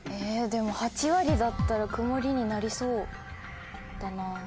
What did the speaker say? でも８割だったらくもりになりそうだなぁ。